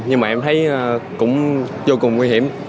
nhưng mà em thấy cũng vô cùng nguy hiểm